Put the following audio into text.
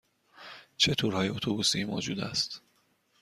چه تورهای اتوبوسی موجود است؟